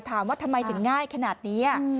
ถามว่าทำไมถึงง่ายขนาดนี้